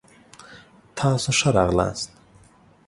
تاسو ښه راغلاست.